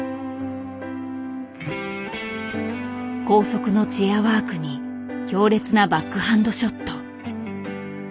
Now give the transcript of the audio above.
高速のチェアワークに強烈なバックハンドショット。